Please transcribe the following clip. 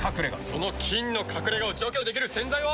その菌の隠れ家を除去できる洗剤は。